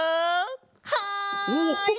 はい！